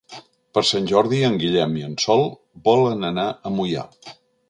Per Sant Jordi en Guillem i en Sol volen anar a Moià.